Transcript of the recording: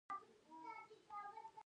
د روم شیشې دلته راوړل کیدې